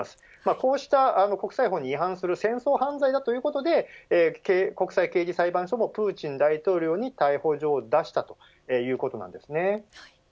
こうした国際法に違反する戦争犯罪だということで国際刑事裁判所もプーチン大統領に逮捕状を出したということなんですね。